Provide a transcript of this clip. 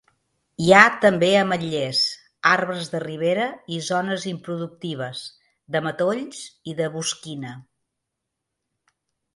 Hi ha també ametllers, arbres de ribera i zones improductives, de matolls i de bosquina.